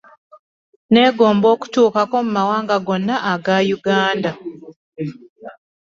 Neegomba okutuukako mu mawanga gonna aga Uganda.